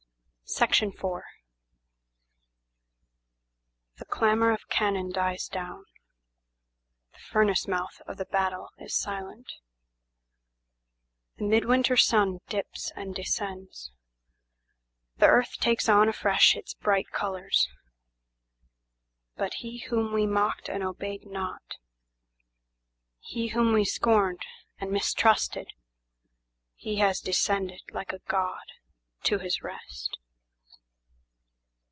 IVThe clamour of cannon dies down, the furnace mouth of the battle is silent. The midwinter sun dips and descends, the earth takes on afresh its bright colours. But he whom we mocked and obeyed not, he whom we scorned and mistrusted, He has descended, like a god, to his rest.